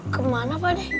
ke mana pak ade